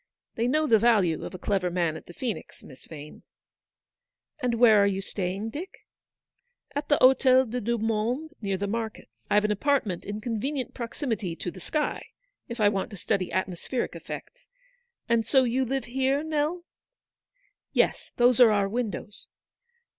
They know the value of a clever man at the Phoenix, Miss Vane." " And where are you staying, Dick ?" "At the Hotel des Deux Mondes, near the markets. I've an apartment in convenient prox imity to the sky, if I want to study atmospheric effects. And so you live here, Nell ?" "Yes, those are our windows."